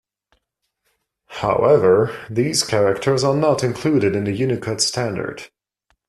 However, these characters are not included in the Unicode standard.